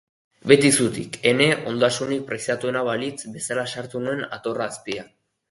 Beti zutik, ene ondasunik preziatuena balitz bezala sartu nuen atorra azpian.